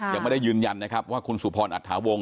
ยังไม่ได้ยืนยันนะครับว่าคุณสุพรอัฐาวงศ